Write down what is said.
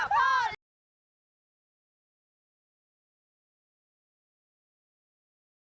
สวัสดีครับทุกคน